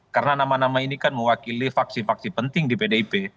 karena nama nama ini kan mewakili faksi faksi penting di pdip